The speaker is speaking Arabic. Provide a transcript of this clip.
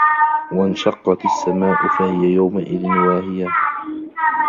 وَانشَقَّتِ السَّماءُ فَهِيَ يَومَئِذٍ واهِيَةٌ